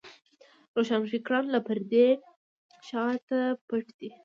روښانفکران له پردې شاته پټ دي.